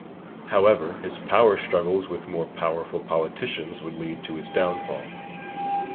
However, his power struggles with more powerful politicians would lead to his downfall.